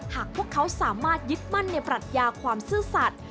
หากพวกเขาสามารถยึดมั่นในปรัชญาความซื่อสัตว์